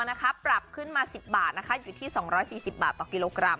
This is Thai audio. นะคะปรับขึ้นมาสิบบาทนะคะอยู่ที่สองร้อยสี่สิบบาทต่อกิโลกรัม